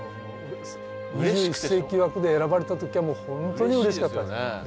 ２１世紀枠で選ばれた時は本当にうれしかったです。